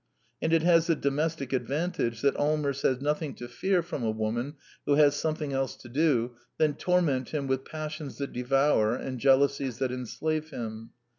And it has the domestic advantage that Allmers has nothing to fear from a woman who has something else to do than torment him with passions that devour and jealousies that enslave him.